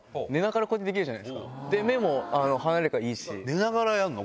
寝ながらやるの？